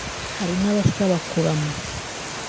hari n'abasaba kurama